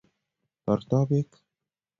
Toreto pek